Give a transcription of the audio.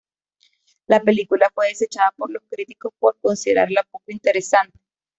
La película fue desechada por los críticos por considerarla poco interesante.